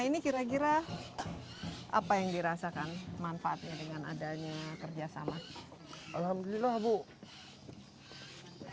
ini kira kira apa yang dirasakan manfaatnya dengan adanya kerjasama alhamdulillah bu